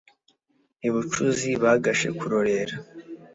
i bucuzi bagashe kurorera.